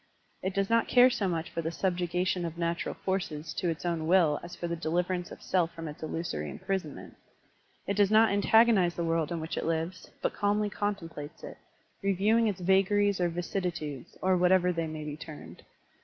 It does not care so much for the subjugation of natural forces to its own will as for the deliverance of self from its illusory imprisonment. It does not antagonize the world in which it lives, but calmly contem plates it, reviewing its vagaries or vicissitudes, or whatever they may be termed.